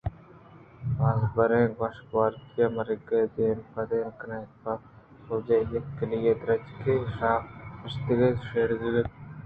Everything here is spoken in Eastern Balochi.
بازبراں وش وراکی مرگ ءِ دیمپان کنت بُوءُسوج یک کُلی ئےدرٛچک ءِ شاہءَنشتگ اَتءُُ شیزارگءَاَت